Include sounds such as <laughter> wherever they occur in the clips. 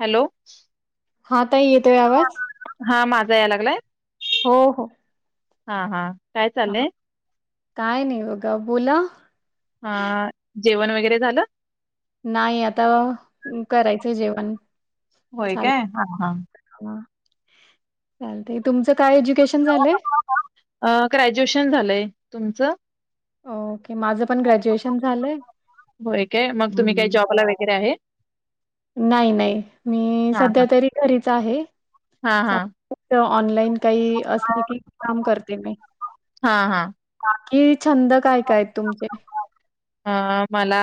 Hello हा ताई येतोय आवाज हा माझा याय लागलाय हो हो हा हा काय हा चालेय काय नाही ग बोला हा जेवण वगैरे झालं. नाही आता करायचंय जेवण होय काय हा हा ह चालत तुमचं काय एज्युकेशन झाले ग्रॅज्युएशन झालंय तुमचं. ओके माझं पण ग्रॅज्युएशन झालंय. होय काय मग तुम्ही काही जॉबला वगैरे आहे नाही नाही मी हा हा सध्या तरी घरीच आहे. हा हा ऑनलाईन काही असले की काम करते मी. हा बाकी छंद काय काय तुमचे. अ मला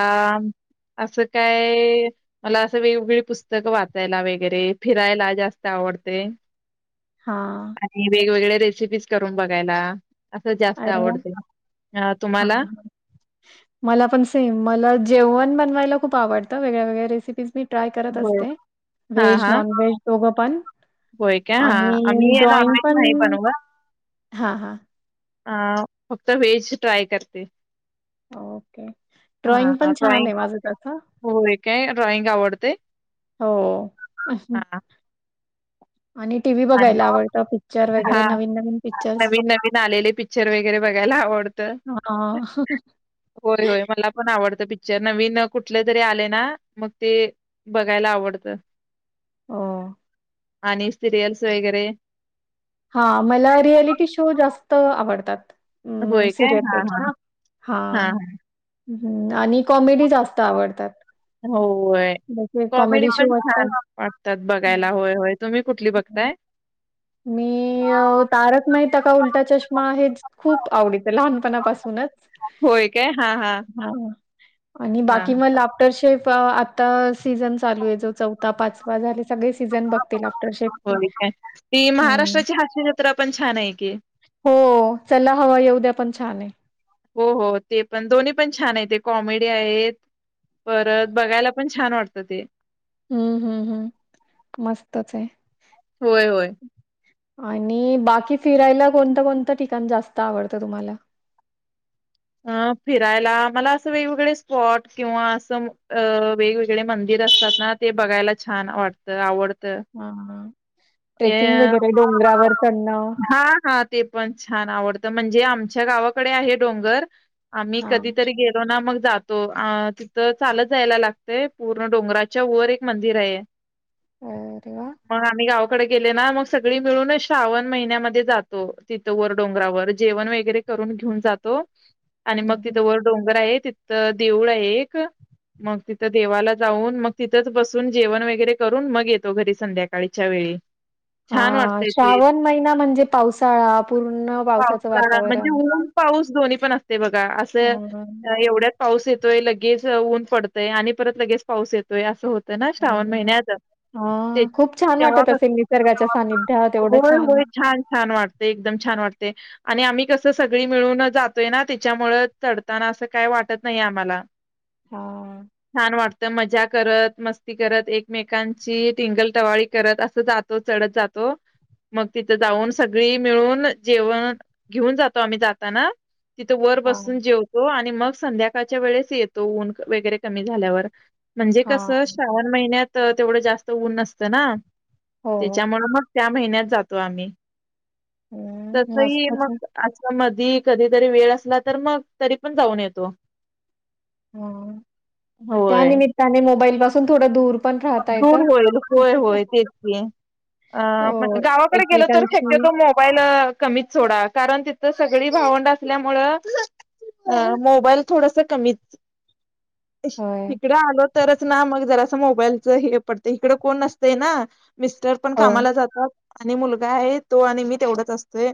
असं काय. मला असं वेगवेगळी पुस्तकं वाचायला वगैरे फिरायला जास्त आवडते. हा. आणि वेगवेगळे रेसिपीज करून बघायला असं जास्त अरे वाह! आवडते हा तुम्हाला. हा. मला पण सेम मला जेवण बनवायला खूप आवडतं वेळ्या वेगळ्या रेसिपीज मी. ट्राय करत होय. असते हा व्हेज हा नॉन व्हेज दोघं पण. होय काय हा आणि आम्ही ड्रॉइंग नॉनव्हेज पण नाही बनवत हा हा. अ फक्त व्हेज ट्राय करते. ओके ड्रॉइंग हा पण छान ड्रॉइंग आहे माझं त. होय काय ड्रॉइंग आवडते. हो अ. हा आणि टीव्ही आणि बघायला आवतं पिक्र वगरे हा नवीनवीन पिक्चर. पिक्चर्स नवीन नवीन आले पिक्चर. पिक्चर वगैरे बघायला आवडत हां. होय होय मला. पण आवडत पिक्चर नवीन कुठले तरी आले ना मग ते. बघायला आवडतं. हो! हा सिरिल्यस वगैरे हा मला रियालिटी शो जास्त आवडतात. हम्म होय काय हा हा सिरियलपेक्षा हा. हम्म आणि कॉमेडी जास्त आवडतात. होय. जसे कॉमेडी शो पण असतात. छान वाटतात बघायला हं. होय होय तुम्ही कुठली बघताय. मी. तारक माहता का उलटा चष्मा हे खूप आवडत लहानपणापासूनच. होय काय? हां, हां. हा आणि हां. बाकी मला तर आता सीझन चालू आहे जो चौथा पाचवा झालेत. सगळे सीझन बघते लॉफ्टर शेफ होय काय? ती महाराष्ट्राची हास्य जत्रा पण छान आहे की? हो चला हवा येऊद्या पण छान आहे. हो हो ते पण दोन्ही पण छान आहेत ते कॉमेडी आहेत परत बघायला पण. छान वाटत ते? हम्म हम्म हम्म मस्तच आहे. होय होय. आणि बाकी फिरायला कोणतं कोणतं ठिकाण जास्त आवडतं तुम्हाला. अ फिरायला मला असं वेगवेगळे स्पॉट किंवा असं वेगवेगळे मंदिर असतात ना? ते बघायला छान वाटतं आवडतं. हा ए ट्रेकिंग वगैरे डोंगरावर चढणं. हा हा. ते पण छान आवडत म्हणजे आमच्या गावाकडे आहे डोंगर आम्ही हां. कधीतरी गे तो ना मग जातो अ तिथं चालत जायला लागतय पूर्ण डोंगराच्या वर एक मंदिर आहे. <inaudible> अरे वा! मग आम्ही गावा कडे गेले ना मग सगळी मिळून श्रावण महिन्यामध्ये जातो तिथं वर डोंगरावर जेवण वगैरे, करून घेऊन जातो आणि मग हं, हं. तिथं वर डोंगर आहे तिथ देऊळ आहे एक मग तिथं देवाला जाऊन मग तिथंच बसून जेवण वगैरे करून मग येतो घरी संध्याकाळीच्या वेळी. छान हा वाटतय ते श्रावण महिना म्हणजे पावसाळा पूर्ण पावसाचं पावसाळा वातावरण. म्हणजे ऊन पाऊस दोन्ही पण असतय बघा असं हां, हां, एवढ्यात. पाऊस येतोय लगेच ऊन पडतयं आणि परत लगेच पाऊस येतोय असं होत. ना हां, श्रावण हां. महिन्यात ते हां, खूप छान तेव्हा वाटत कस असेल निसर्गाच्या सानिध्यात एवढं होय होय छान छान वाटतय एकदम छान वाटतय. आणि आम्ही कसं सगळी मिळून जातोय ना तेच्यामुंळ चढताना असं काय वाटत नाही आम्हाला. हां, छान वाटतं मजा करत मस्ती करत एकमेकांची टिंगल टवाळी करत अस जातो चढत जातो. मग तिथे जाऊन सगळी मिळून जेवण घेऊन जातो आम्ही जाताना. तिथं वर हां, बसून जेव तो आणि मग संध्याकाळच्या वेळेस येतो ऊन वगैरे कमी झाल्यावर म्हणजे कस हां. श्रावण महिन्यात तेवढं जास्त ऊन नसतं ना? हो, हो. त्याच्यामुळ मग त्या महिन्यात जातो आम्ही हं, तसही मस्तच आहे. मग आज काल मधी कधीतरी वेळ असला तर मग तरी पण जाऊन येतो. ह होय त्यानिमित्ताने मोबाईल पासून थोड दूर पण राहता दूर येतं. होईल होय होय तेच की. अ मग हो, गावाकडे गेलो तर एकमेकांशी शक्यतो मो बाईल कमीच सोडा कारण तिथं सगळी भावंड असल्यामुळं अ मोबाईल थोडासं कमीच अश.. होय. इकडे आलो तरच ना मग जरास मोबाईल चं हे पडतय इकडे कोण असते ना मिस्टर पण हो, कामाला जातात आणि मुलगा आहे तो आणि मी तेवढच असतोय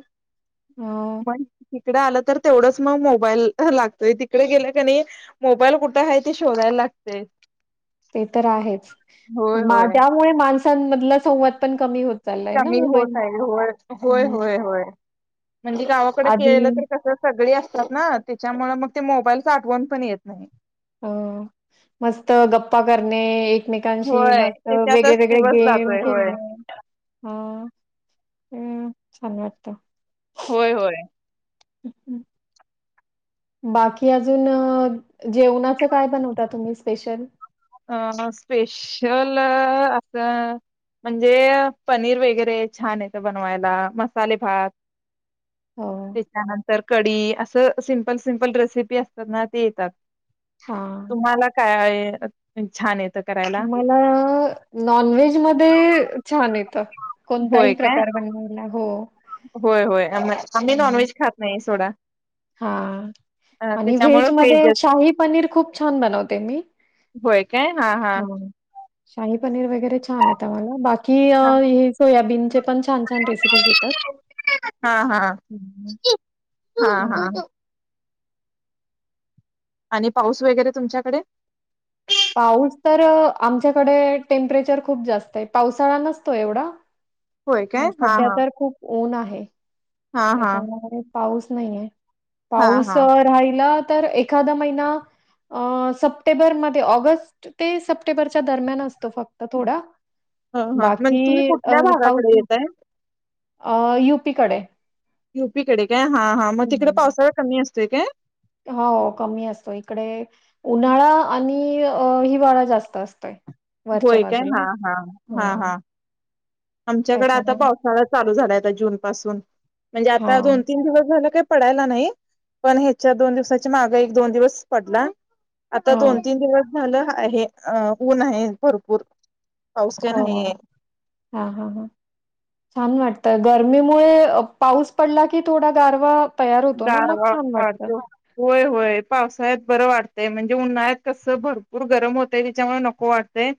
हो. भारीच की इकडं आलं तर तेवढच मग मोबाईल ह लागतोय तिकडं गेलं कणी मोबाईल कुठं आहे ते शोधायला लागतंय ते तर आहेच होय होय त्यामुळे मा माणसांमधला संवाद पण कमी होतो. कमी होत आहे होय हं, होय होय म्हणजे गावाकडे आधी गेलं तर कसं सगळी असत्यात ना त्याच्यामुळे मग ते मोबाईलचं आठवण पण येत नाही अ मस्त गप्पा करणे एक एकमेकांशी होय मग वेगळे त्याच्यातच वेगळे दिवस गेम जातोय होय खेळणे हो खूप छान वाटतं होय होय हम्म. बाकी अजून जेवणाचं काय बनवता तुम्ही स्पेशल अ न स्पेशल असं म्हणजे पनीर वगैरे छान येतं बनवायला मसाले भात हो. त्याच्यानंतर कढी असं सिंपल सिंपल रेसिपी असतात ना ते येतात हा मला काय आहे छान आहेत मला नॉनव्हेज मध्ये छान येतं. कोणताही होय काय प्रकार बनवायला. हो होय होय आ आम्ही नॉनव्हेज खात नाही सोडा हा अ, आणि त्याच्यामुळे व्हेज मध्ये व्हेजच शाही पनीर खूप छान बनवते. मी होय काय हा हा हा शाही पनीर वगैरे छान आहे. मला बाकी अ हा हे सोयाबीन चे पण छान छान रेसिपीज येतात हा हा हा छान आहे. हा आणि पाऊस वगैरे तुमच्याकडे पाऊस तर आमच्याकडे टेम्परेचर खूप जास्त आहे. पावसाळा नसतो. एवढा होय काय ह हा सध्या हा तर खूप ऊन आहे. हा हा त्याच्यामध्ये पाऊस नाहीय. हा पाऊस हा राहिला. तर एखादा महिना अ सप्टेंबर मध्ये ऑगस्ट ते सप्टेंबरच्या दरम्यान असतो. फक्त थोडा हा म्हणजे तुम्ही बाकी अ कुठल्या पाऊस भागाकडे न येताय अ यु पी कडे यु पी कडे काय हां हां मग तिकडे हम्म. पावसाळा कमी असतोय काय? हो कमी असतो. इकडे उन्हाळा आणि अ हिवाळा जास्त असतोय. वरच्या होय काय हा बाजूला हा हा आमच्याकडे आता त्याच्यामुळे पावसाळा चालू झालाय. जून पासून म्हणजे हा आता दोन तीन दिवस झालं काय पडायला नाही. पण ह्याच्या दोन दिवसाची माग एक दोन दिवस पडला आता हो दोन तीन दिवस झालं आहे. ऊन आहे भरपूर पाऊस काय हो हो नाहीये हा हा छान वाटतंय. गरमीमुळे पाऊस पडला की थोडा गारवा तयार होतो ना मग गारवा छान वाटत. वाढतो होय होय पावसाळ्यात बरं वाटतय. म्हणजे उन्हाळ्यात कसं भरपूर गरम होतय. त्याच्यामुळे नको वाटतंय.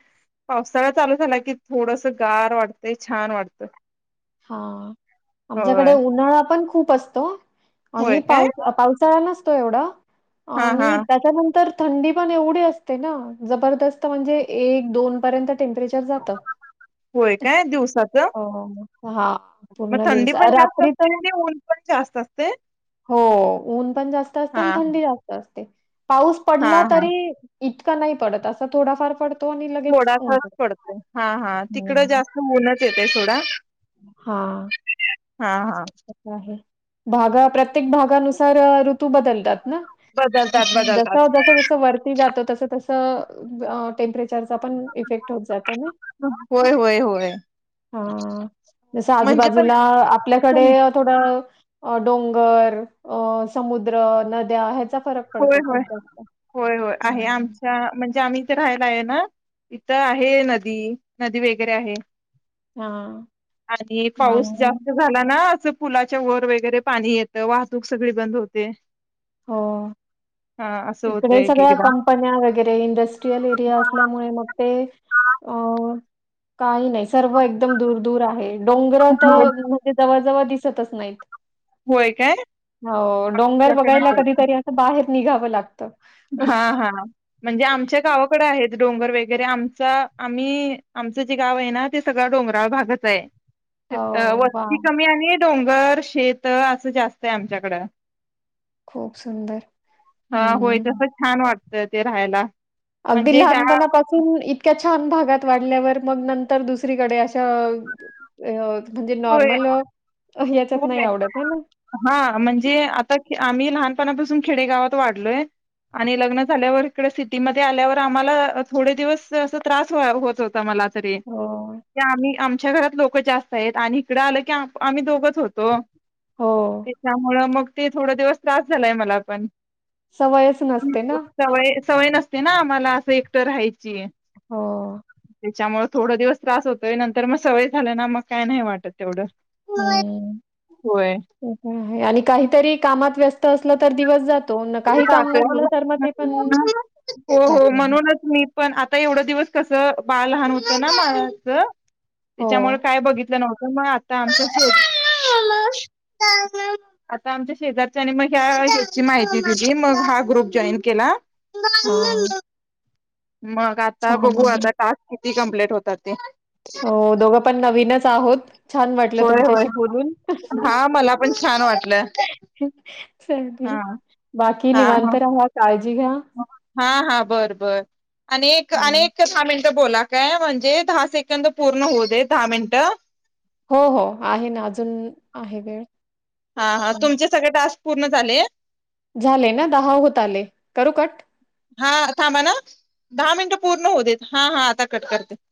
पावसाळा चालू झाला. की थोडस गार वाटत छान वाढत. हा आमच्याकडे उन्हाळा पण खूप असतो. आणि होय काय पाव पावसाळा नसतो एवढा हा हा आणि त्याच्यानंतर थंडी पण एवढी असते. ना जबरदस्त म्हणजे एक दोन पर्यंत टेम्परेचर जात. होय काय दिवसाच हां. मग पूर्ण थंडी दिवस अ, पण जास्त रात्री तर असते. आणि ऊन पण जास्त असते.? हो ऊन पण जास्त असते, हा आणि थंडी जास्त असते, पाऊस हा पडला हा तरी इतका नाही पडत असा थोडाफार पडत थोडा फारच पडतो. हा हा तिकड जास्त उनच येतय सोडा हा हा हा आहे भागा प्रत्येक भागानुसार ऋतू बदलतात. ना बदलतात जस, बदलतात जस, जस वरती जातो. तस, तस टेंपरेचर चा पण इफेक्ट होत. जाता. ना होय होय होय हा जस म्हणजे पण आजूबाजूला आ आपल्याकडे तुम थोड डोंगर समुद्र नद्या ह्याचा फरक होय, पडतो होय, खूप जास्त. होय, होय, आहे. हं. आमच्या म्हणजे आम्ही इथं रहायला हे ना इथं आहे नदी, नदी वगैरे आहे. हां. आणि पाऊस आणि जास्त झाला ना असं पुलाच्या वर वगैरे पाणी येतं, वाहतूक सगळी बंद होते. हो हा असं इकडे होतंय एक सगळ्या एकदा. कम पण्या वगैरे इंडस्ट्रियल एरिया असल्यामुळे मग ते अ काही नाही सर्व एकदम दूर-दूर आहे, डोंगरत होय ते जवळ -जवळ दिसतचं नाहीत, होय काय हो डोंगर आमच्याकडे बघायला आहेत. तेत बाहेर निघावं ला हा, हा म्हणजे आमच्या गावाकडे आहेत डोंगर वगैरे, आमचा आम्ही आमचं जे गाव आहे ना ते सगळा डोंगराळ भागच आहे, हो, वस्ती वॉव! कमी आहे डोंगर शेतं असं जास्त आहे आमच्याकडं. खूप सुंदर, हा होय हम्म मं तसं छान वाटतं इथे राहायला. अगदी म्हणजे ह्या लहानपणापासून तून, इतक्या छान भागात वाढल्यावर मग नंतर दुसरीकडे अशा अ अं म्हणजे होय नॉर्मलं याच्यात होय नाही आवडत हे ना? हा म्हणजे आता आम्ही लहानपणापासून खेडेगावात वाढलोय. आणि लग्न झाल्यावर इकडे सिटीमध्ये आल्यावर आम्हाला थोडे दिवस अस त्रास फार होत होता मला. ते हो, आम्ही आमच्या घरात लोक जास्त आहेत, आणि इकडं आलं की आम्ही दोघचं होतो. हो, त्याच्यामुळं मग ते थोडा दिवस त्रास झालाय मला पण. सवयचं नसते ना. सवय, सवय नसते ना आम्हाला असं एकटं राहायची. हो, त्याचामुळ थोडं दिवस त्रास होतोय, नंतर मग सवय झाला ना मग काय नाही वाटत तेवढं. ह्म्म, होय, हं, हं आणि काहीतरी कामात व्यस्त असलं तर दिवस जात काय तो म्हणून हो, हो जात नाही. म्हणूनच. मी पण आता एवढा दिवस कसं, बाळ लहान होतं ना माझं. हो. त्याच्यामुळे काय बघितलं नव्हतं मग आता आमचं आता आमच्या शेजारच्या आणि मग या ह्याची माहिती मी मग हा ग्रुप जॉईन केला. हो, मग आता बघू, आहे. आता टास्क किती कम्प्लेट होतात ते. हो दोघं पण नवीनच आहोत. छान वाटलं होय होय तुमच्याशी बोलून, अं, हं हा मला पण छान वाटलं हं. चालते, हा बाकी हा हा निवांत राहा काळजी घ्या. हा -हा, बरं -बरं आणि एक आणि एक, आणि हं. एक दहा मिनिटं बोला काय म्हणजे, दहा सेकंड पूर्ण होऊ दे दहा मिनिटं हो- हो आहे ना, अजून आहे वेळ. हा, हा हं. तुमचे सगळे टास्क पूर्ण झाले? झाले ना, दहा होत आले करू कट? हा थांबा ना, दहा मिनिटं पूर्ण होऊ देत हा- हा आता कर करते.